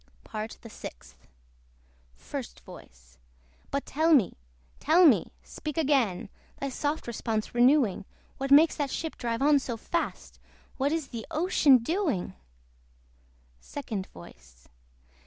PART THE SIXTH. FIRST VOICE. But tell me, tell me! speak again, Thy soft response renewing What makes that ship drive on so fast? What is the OCEAN doing? SECOND VOICE.